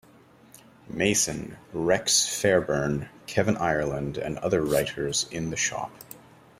Mason, Rex Fairburn, Kevin Ireland and other writers in the shop.